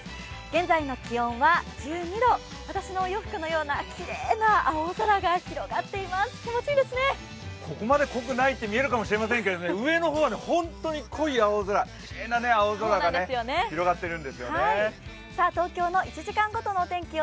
現在の気温は１２度、私の洋服のようなきれいな青空が出ていてそこまで濃くないって見えるかもしれませんが、上の方は本当にきれいな青空が広がってるんですよね。